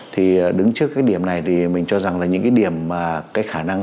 thì đứng trước cái điểm này thì mình cho rằng là những cái điểm mà cái khả năng